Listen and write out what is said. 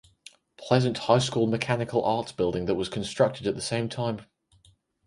Pleasant High School Mechanical Arts Building that was constructed at the same time.